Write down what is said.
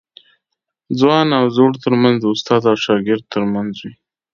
ځوان او زوړ ترمنځ د استاد او شاګرد ترمنځ وي.